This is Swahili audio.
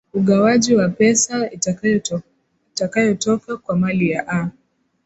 ugawaji ya pesa itakayotoka kwa mali ya aa